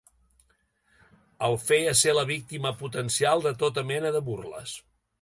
El feia ser la víctima potencial de tota mena de burles.